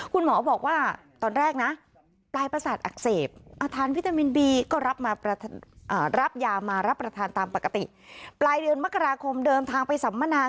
คุณหมอบอกว่าตอนแรกนะปลายประสาทอักเสบอาคารวิตามินบีก็รับมารับยามารับประทานตามปกติปลายเดือนมกราคมเดินทางไปสัมมนา